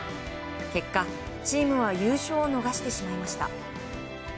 結果、チームは優勝を逃してしまいました。